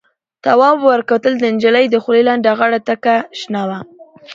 تواب ور وکتل، د نجلۍ دخولې لنده غاړه تکه شنه وه.